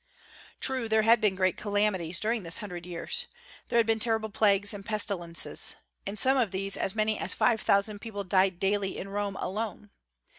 True, there had been great calamities during this hundred years. There had been terrible plagues and pestilences: in some of these as many as five thousand people died daily in Rome alone.